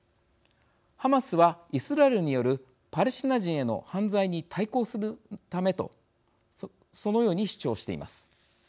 ハマスは、イスラエルによるパレスチナ人への犯罪に対抗するためとそのように主張しています。